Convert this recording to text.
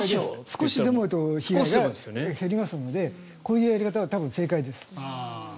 少しでも被害が減りますのでこういうやり方は多分正解です。